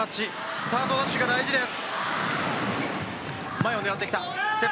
スタートダッシュが大事です。